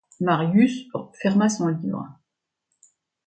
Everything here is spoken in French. Marius ferma son livre.